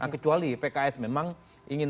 kecuali pks memang ingin